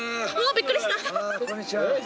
びっくりした。